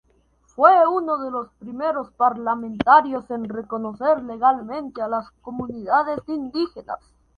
Fue uno de los primeros parlamentarios en reconocer legalmente a las comunidades de indígenas.